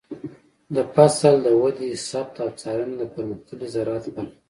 د فصل د ودې ثبت او څارنه د پرمختللي زراعت برخه ده.